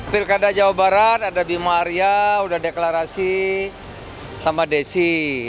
pilkada jawa barat ada bima arya udah deklarasi sama desi